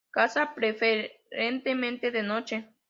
Caza preferentemente de noche.